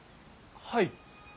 はい？